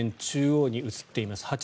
中央に映っています。